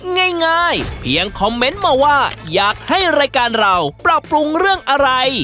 ง่ายเพียงคอมเมนต์มาว่าอยากให้รายการเราปรับปรุงเรื่องอะไร